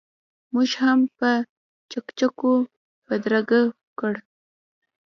موږ هم په چکچکو بدرګه کړ.